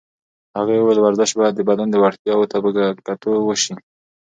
هغې وویل ورزش باید د بدن وړتیاوو ته په کتو ترسره شي.